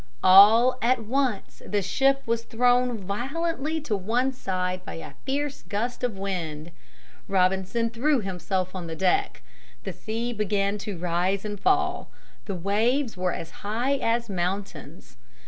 All at once the ship was thrown violently to one side by a fierce gust of wind. Robinson threw himself on the deck. The sea began to rise and fall. The waves were as high as mountains.